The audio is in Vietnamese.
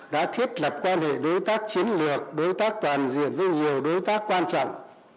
đã thiết lập quan hệ đối tác chiến lược đối tác toàn diện với nhiều đối tác quan trọng